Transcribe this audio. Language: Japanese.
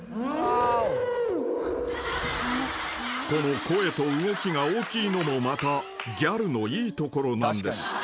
［この声と動きが大きいのもまたギャルのいいところなんです］